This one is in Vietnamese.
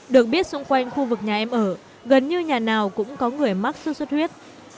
được biết xung quanh khu vực nhà em ở gần như nhà nào cũng có người mắc sốt xuất huyết